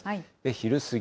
昼過ぎ。